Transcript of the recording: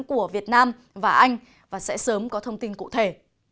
của việt nam và anh và sẽ sớm có thông tin cụ thể